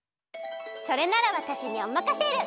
それならわたしにおまかシェル！